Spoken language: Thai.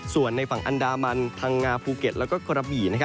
ส่วนในฝั่งอันดามันทางงาภูเก็ตและกรับหยี่